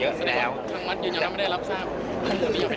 อเจมส์ทั้งมัธยังไม่ได้รับทราบอันนี้เอาเป็นทางการใช่ไหม